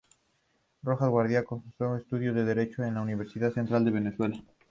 Rojas Guardia cursó estudios de derecho en la Universidad Central de Venezuela.